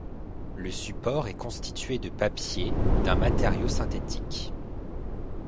Le support est constitué de papier ou d'un matériau synthétique.